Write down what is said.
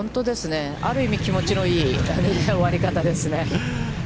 ある意味、気持ちのいい終わり方ですね。